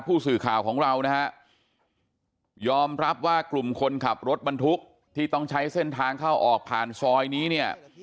ผู้สื่อข่าวของเรานะฮะยอมรับว่ากลุ่มคนขับรถบรรทุกที่ต้องใช้เส้นทางเข้าออกผ่านซอยนี้เนี่ย